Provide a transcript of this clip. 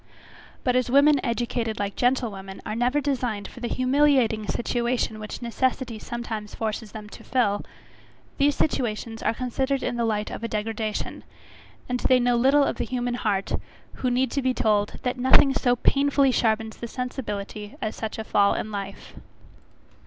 But as women educated like gentlewomen, are never designed for the humiliating situation which necessity sometimes forces them to fill; these situations are considered in the light of a degradation; and they know little of the human heart, who need to be told, that nothing so painfully sharpens the sensibility as such a fall in life.